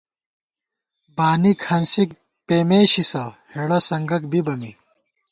بانِک ہنسِک پېمېشِسہ، ہېڑہ سنگَک بِبہ می